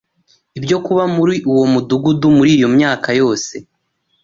ibyo kuba muri uwo mudugudu muri iyo myaka yose